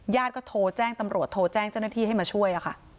ก็โทรแจ้งตำรวจโทรแจ้งเจ้าหน้าที่ให้มาช่วยค่ะ